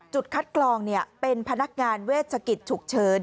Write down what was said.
คัดกรองเป็นพนักงานเวชกิจฉุกเฉิน